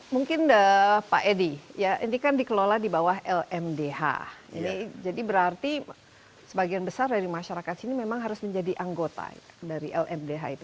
mungkin pak edi ini kan dikelola di bawah lmdh jadi berarti sebagian besar dari masyarakat sini memang harus menjadi anggota dari lmdh itu